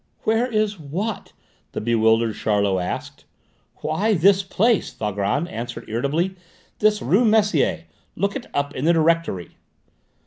"Where is what?" the bewildered Charlot asked. "Why, this place," Valgrand answered irritably: "this rue Messier. Look it up in the directory."